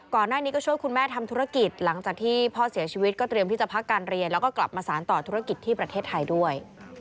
ก่อนหน้านี้ก็ช่วยคุณแม่ทำธุรกิจหลังจากที่พ่อเสียชีวิตก็เตรียมที่จะพักการเรียนแล้วก็กลับมาสารต่อธุรกิจที่ประเทศไทยด้วย